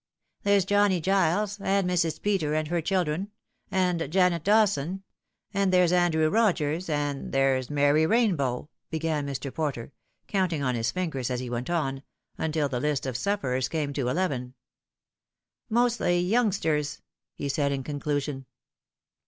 There's Johnny Giles, and Mrs. Peter and her children, and Janet Dawson, and there's Andrew Rogers, and there's Mary Rainbow," began Mr. Porter, counting on his fingers, as he went on, until the list of sufferers came to eleven :" mostly youngsters," he said in conclusion.